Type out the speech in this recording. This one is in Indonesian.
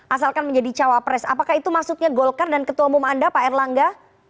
asalkan menjadi cawapres apakah itu maksudnya golkar dan ketua umum anda pak erlangga